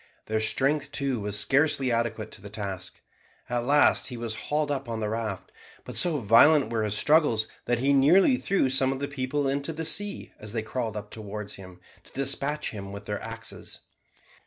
Their strength too was scarcely adequate to the task. At last he was hauled up on the raft, but so violent were his struggles, that he nearly threw some of the people into the sea as they crawled up to him to despatch him with their axes.